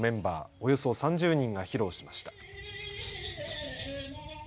およそ３０人が披露しました。